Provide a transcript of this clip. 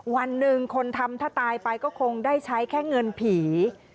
วันหนึ่งคนทำถ้าตายไปก็คงได้ใช้แค่เงินผี